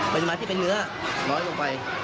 ปริมาณที่เป็นเนื้อน้อยลงไป